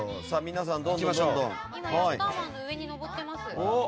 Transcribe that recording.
今、ヤッターワンの上に上ってます。